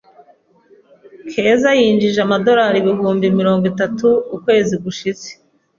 Keza yinjije amadorari ibihumbi mirongo itatu ukwezi gushize.